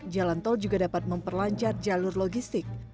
jalan tol juga dapat memperlancar jalur logistik